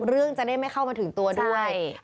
เรื่องจะได้ไม่เข้ามาถึงตัวด้วยขอแนะนำพุทธ